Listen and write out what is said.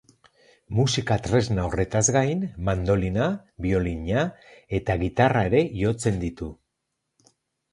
Musika-tresna horretaz gain mandolina, biolina eta gitarra ere jotzen ditu.